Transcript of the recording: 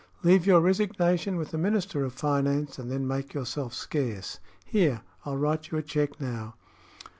Leave your resignation with the Minister of Finance and then make yourself scarce. Here, I'll write you a check now."